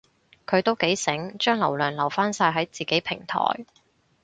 佢都幾醒，將流量留返晒喺自己平台